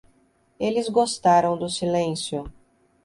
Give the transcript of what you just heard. Eles gostaram do silêncio.